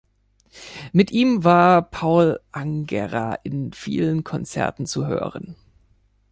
Mit ihm war Paul Angerer in vielen Konzerten zu hören.